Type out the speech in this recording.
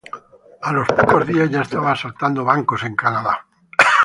A los pocos días ya estaba asaltando bancos en Canadá.